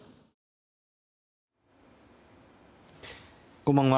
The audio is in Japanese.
こんばんは。